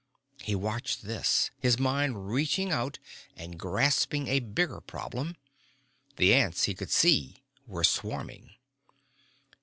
He watched this, his mind reaching out and grasping a bigger problem. The ants, he could see, were swarming.